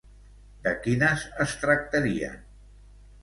De quines es tractarien?